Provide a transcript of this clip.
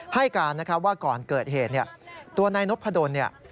ให้การว่าก่อนเกิดเหตุตัวนายนพดล